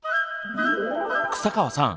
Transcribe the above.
草川さん